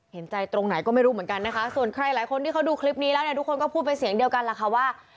เห็นใจตรงไหนก็ไม่รู้เหมือนกันนะคะส่วนใครหลายคนที่เขาดูคลิปนี้แล้วเนี่ยทุกคนก็พูดเป็นเสียงเดียวกันแหละค่ะว่า